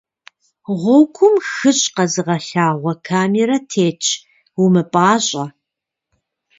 Гъуэгум «хыщӏ» къэзыгъэлъагъуэ камерэ тетщ, умыпӏащӏэ.